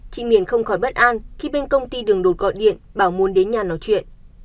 chị miền không khỏi bất an khi bên công ty đường đột gọi điện bảo muốn đến nhà nói chuyện